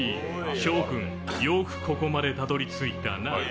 諸君、よくここまでたどり着いたな。